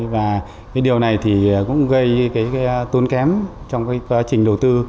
và cái điều này thì cũng gây cái tốn kém trong cái quá trình đầu tư